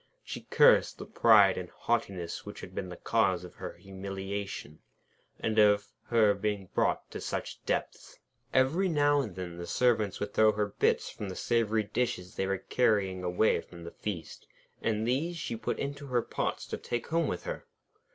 She cursed the pride and haughtiness which had been the cause of her humiliation, and of her being brought to such depths. Every now and then the Servants would throw her bits from the savoury dishes they were carrying away from the feast, and these she put into her pots to take home with her.